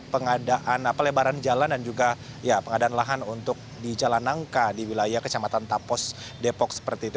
pengadaan pelebaran jalan dan juga pengadaan lahan untuk di jalan nangka di wilayah kecamatan tapos depok seperti itu